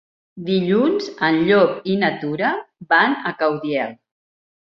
Dilluns en Llop i na Tura van a Caudiel.